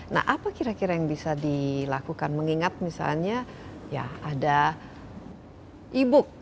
nah apa kira kira yang bisa dilakukan mengingat misalnya ya ada e book